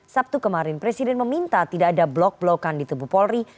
sabtu kemarin presiden meminta tidak ada blok blokan di tubuh polri